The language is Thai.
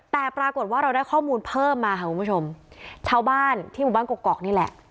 แต่ปรากฏว่าเราได้ข้อมูลเพิ่มมาค่ะคุณผู้ชมชาวบ้านที่หมู่บ้านกอกนี่แหละ